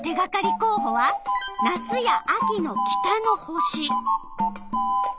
こうほは夏や秋の北の星。